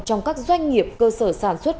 trong các doanh nghiệp cơ sở sản xuất